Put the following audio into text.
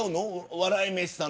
笑い飯さん